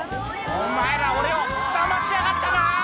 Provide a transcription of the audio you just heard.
「お前ら俺をダマしやがったな」